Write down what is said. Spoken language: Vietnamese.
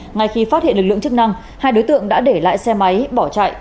ngay khi phát hiện lực lượng chức năng hai đối tượng đã để lại xe máy bỏ chạy